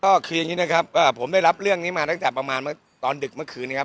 ก็คือยังนี้ผมได้รับเรื่องนี้มาตั้งแต่ตอนดึกเมื่อคืนนี้ครับ